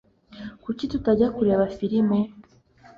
Kuki tutajya kureba firime